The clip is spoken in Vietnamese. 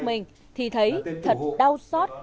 mình thì thấy thật đau xót